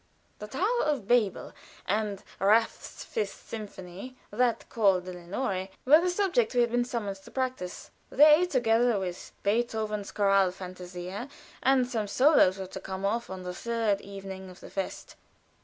"The Tower of Babel," and Raff's Fifth Symphonie, that called "Lenore," were the subjects we had been summoned to practice. They, together with Beethoven's "Choral Fantasia" and some solos were to come off on the third evening of the fest.